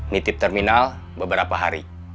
nitip terminal beberapa hari